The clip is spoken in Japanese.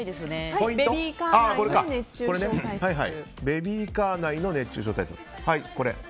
ベビーカー内の熱中症対策。